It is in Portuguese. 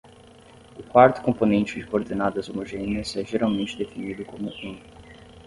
O quarto componente de coordenadas homogêneas é geralmente definido como um.